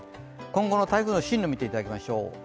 今後の台風の進路、見ていただきましょう。